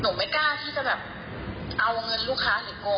ไม่กล้าที่จะแบบเอาเงินลูกค้าหรือโกง